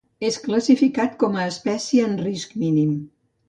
És classificat com a espècie en risc mínim.